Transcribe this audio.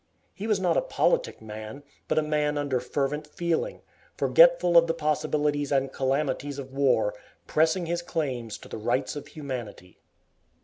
He was not a politic man, but a man under fervent feeling, forgetful of the possibilities and calamities of war, pressing his claims to the rights of humanity.